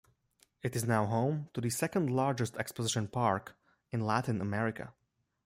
It is now home to the second largest exposition park in Latin America.